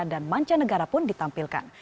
dan manca negara pun ditampilkan